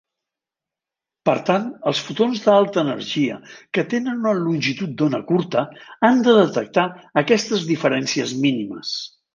Per tant, els fotons d'alta energia que tenen una longitud d'ona curta han de detectar aquestes diferències mínimes.